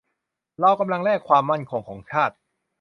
เรากำลังแลกความมั่นคงของชาติ